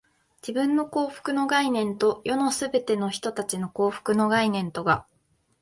自分の幸福の観念と、世のすべての人たちの幸福の観念とが、